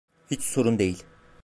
Hiç sorun değil.